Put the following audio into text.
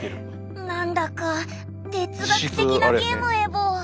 何だか哲学的なゲームエボ。